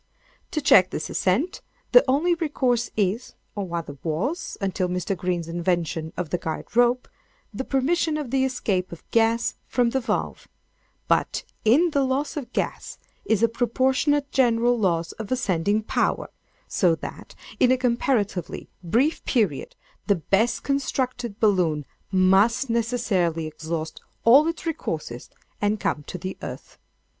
To check this ascent, the only recourse is, (or rather was, until Mr. Green's invention of the guide rope,) the permission of the escape of gas from the valve; but, in the loss of gas, is a proportionate general loss of ascending power; so that, in a comparatively brief period, the best constructed balloon must necessarily exhaust all its resources, and come to the earth.